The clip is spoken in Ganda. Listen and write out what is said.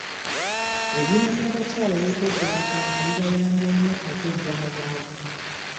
Ebibiina by'abakyala eby'okwekulaakulanya bibayambye nnyo okweggya mu bwavu.